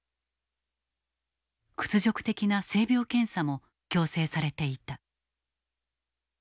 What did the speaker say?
屈辱的な性病検査も強制されていた。